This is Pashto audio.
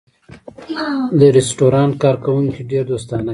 د رستورانت کارکوونکی ډېر دوستانه دی.